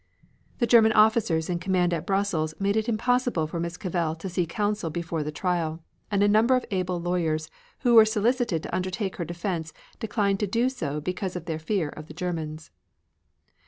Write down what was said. The German officers in command at Brussels made it impossible for Miss Cavell to see counsel before the trial, and a number of able lawyers who were solicited to undertake her defense declined to do so because of their fear of the Germans.